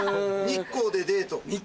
日光でデート。